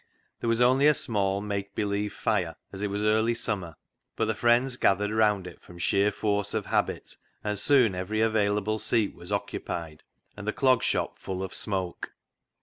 There was only a small, make believe fire, as it was early summer, but the friends gathered round it from sheer force of habit, and soon every available seat was occupied, and the Clog Shop full of smoke.